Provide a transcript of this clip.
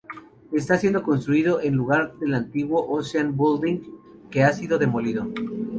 Está siendo construido en el lugar del antiguo Ocean Building, que ha sido demolido.